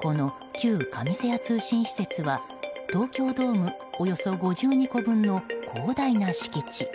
この旧上瀬谷通信施設は東京ドームおよそ５２個分の広大な敷地。